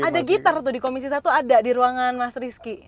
ada gitar tuh di komisi satu ada di ruangan mas rizky